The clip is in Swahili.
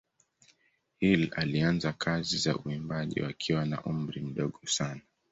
Hill alianza kazi za uimbaji wakiwa na umri mdogo sana.